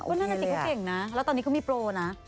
เพราะนั่นหน้าสีเขาเก่งนะแล้วตอนนี้เขามีโปรน่ะ